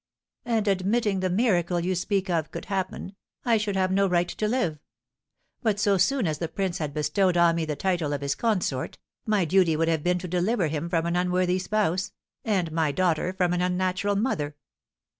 "And admitting the miracle you speak of could happen, I should have no right to live; but so soon as the prince had bestowed on me the title of his consort, my duty would have been to deliver him from an unworthy spouse, and my daughter from an unnatural mother."